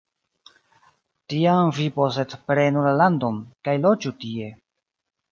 Tiam vi posedprenu la landon, kaj loĝu tie.